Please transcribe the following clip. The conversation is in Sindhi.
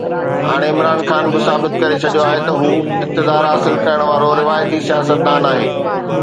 هاڻي عمران خان به ثابت ڪري ڇڏيو آهي ته هو اقتدار حاصل ڪرڻ وارو روايتي سياستدان آهي.